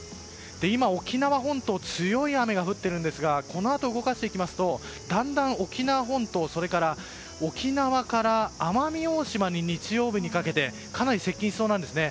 今、沖縄本島強い雨が降っているんですがこのあと動かしますとだんだん沖縄本島、沖縄から奄美大島に日曜日かけてかなり接近しそうなんですね。